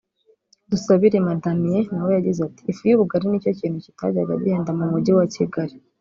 Dusabirema Damien nawe yagize ati “Ifu y’ubugari nicyo kintu kitajyaga gihenda mu Mujyi wa Kigali